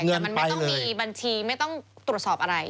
แต่มันไม่ต้องมีบัญชีไม่ต้องตรวจสอบอะไร